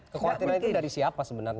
kekhawatiran itu dari siapa sebenarnya